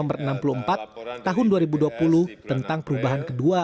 nomor enam puluh empat tahun dua ribu dua puluh tentang perubahan kedua